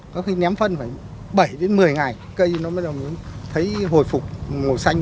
có khi ném phân phải bảy đến một mươi ngày cây nó mới thấy hồi phục màu xanh